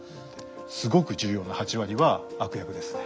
すごく重要な８割は悪役ですね。